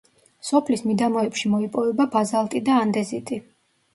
სოფლის მიდამოებში მოიპოვება ბაზალტი და ანდეზიტი.